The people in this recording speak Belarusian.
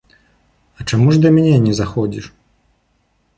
А чаму ж да мяне не заходзіш?